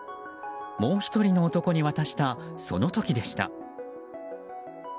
もう１人の男に渡したその時でした。